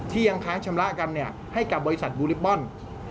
ที่ยังค้างชำระกันให้กับบริษัทบูริปป้อนด์